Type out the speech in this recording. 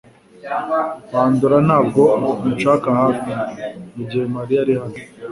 Bandora ntabwo anshaka hafi mugihe Mariya ari hano